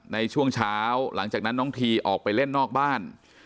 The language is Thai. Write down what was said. ในช่วงเช้าหลังจากนั้นน้องทีออกไปเล่นนอกบ้าน